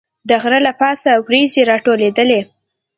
د غره له پاسه وریځې راټولېدې.